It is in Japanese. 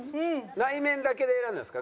内面だけで選んだんですか？